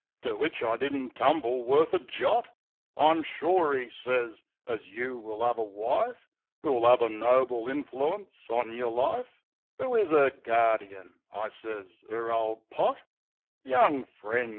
To which I didn't tumble worth a jot. "I'm sure," 'e sez, "as you will 'ave a wife 'Oo'll 'ave a noble infli'ince on yer life, " 'Oo is 'er gardjin?" I sez, " 'Er ole pot"— "Young friend!"